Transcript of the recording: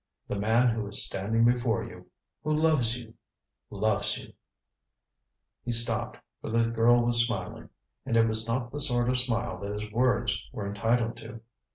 The man who is standing before you who loves you loves you " He stopped, for the girl was smiling. And it was not the sort of smile that his words were entitled to.